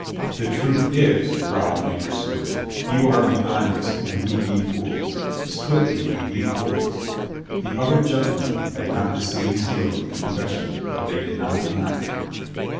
"The truth is," growled Major Stewart, "you are COLONEL STOW KEEPS THE PEACE 189 beyond us and we be fools. Split me, we be fools." The other gentlemen had not the same zeal in con fession, but they did not deny it.